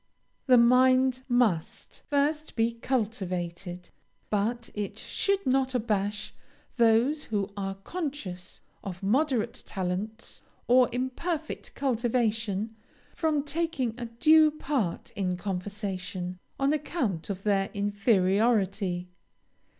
The mind must first be cultivated; but it should not abash those who are conscious of moderate talents, or imperfect cultivation, from taking a due part in conversation, on account of their inferiority.